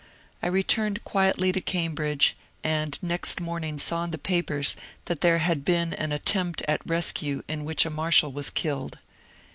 I returned quietly to Cambridge, and next morning saw in the papers that there had been an at tempt at rescue in which a marshal was killed.